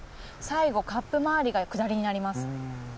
最後カップ周りが下りになります。